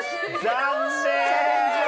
残念。